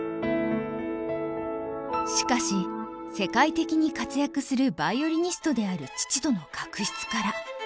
しかし世界的に活躍するヴァイオリニストである父との確執から。